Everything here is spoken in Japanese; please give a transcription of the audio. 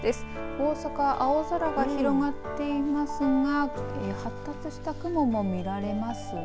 大阪、青空が広がっていますが発達した雲も見られますね。